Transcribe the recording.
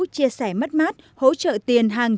chia sẻ mắt mát hỗ trợ tiền hàng